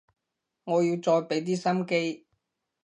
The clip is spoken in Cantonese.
我要再畀啲心機